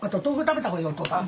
お父さん。